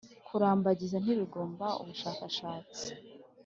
kurambagiza ntibigomba ubushakashatsi .